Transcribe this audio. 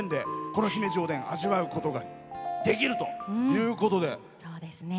この姫路おでん味わうことができるということで。